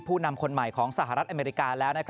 นำคนใหม่ของสหรัฐอเมริกาแล้ว